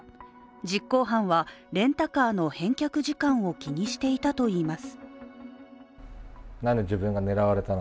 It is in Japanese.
実行犯は、レンタカーの返却時間を気にしていたといいます。